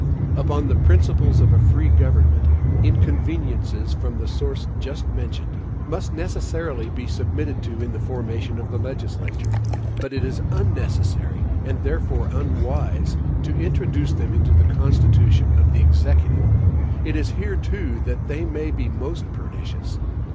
Upon the principles of a free government, inconveniences from the source just mentioned must necessarily be submitted to in the formation of the legislature; but it is unnecessary, and therefore unwise, to introduce them into the constitution of the Executive. It is here too that they may be most pernicious.